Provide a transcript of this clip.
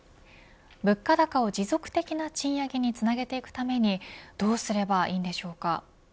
物価高を持続的な賃上げにつなげていくためにどうすればいいんでしょうか。